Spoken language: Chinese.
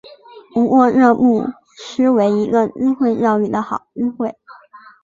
不过这不失为一个机会教育的好机会